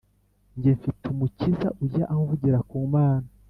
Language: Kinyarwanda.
Njye mfite umukiza ujya amvugira ku mana